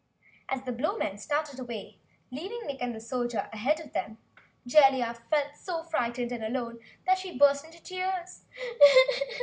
As the Blowmen started away, shoving Nick and the Soldier ahead of them, Jellia felt so frightened and alone that she burst into tears.